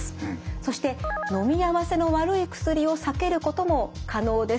そしてのみ合わせの悪い薬を避けることも可能です。